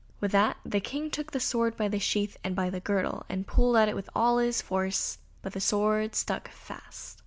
With that the King took the sword by the sheath and by the girdle, and pulled at it with all his force, but the sword stuck fast.